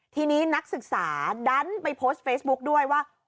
ทีนี้นักศึกษาดันไปโพสต์เฟซบุ๊กด้วยว่า